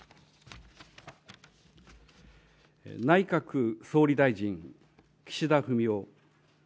内閣総理大臣、岸田文雄。